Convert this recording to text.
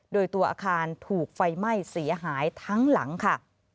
โดยตัวอาคารถูกไฟไหม้เสียหายทั้งหลังค่ะ